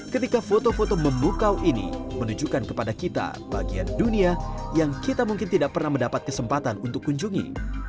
ketika foto foto memukau ini menunjukkan kepada kita bagian dunia yang kita mungkin tidak pernah mendapat kesempatan untuk kunjungi